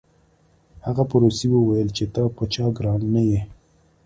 هغه په روسي وویل چې ته په چا ګران نه یې